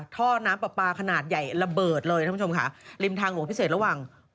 ท่อน้ำปลาปลาขนาดใหญ่ระเบิดเลยท่านผู้ชมค่ะริมทางหลวงพิเศษระหว่าง